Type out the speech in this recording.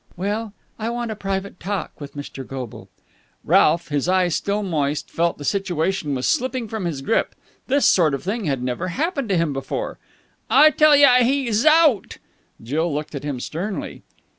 "Well, I want a private talk with Mr. Goble." Ralph, his eyes still moist, felt that the situation was slipping from his grip. This sort of thing had never happened to him before. "I tell ya he zout!" Jill looked at him sternly.